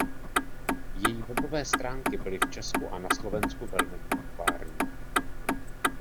Její webové stránky byly v Česku a na Slovensku velmi populární.